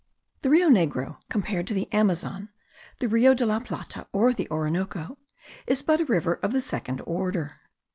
The Rio Negro, compared to the Amazon, the Rio de la Plata, or the Orinoco, is but a river of the second order.